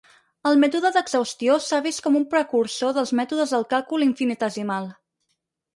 El mètode d'exhaustió s'ha vist com un precursor dels mètodes del càlcul infinitesimal.